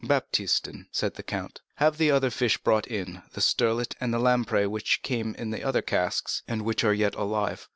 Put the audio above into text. "Baptistin," said the count, "have the other fish brought in—the sterlet and the lamprey which came in the other casks, and which are yet alive."